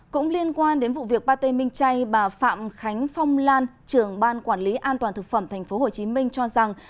cũng liên quan đến vụ việc bà tê minh chay bà phạm khánh phong lan trưởng ban quản lý an toàn thực phẩm tp hcm cho rằng